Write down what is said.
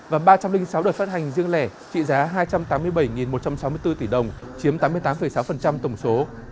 và ba trăm linh sáu đợt phát hành riêng lẻ trị giá hai trăm tám mươi bảy một trăm sáu mươi bốn tỷ đồng chiếm tám mươi tám sáu tổng số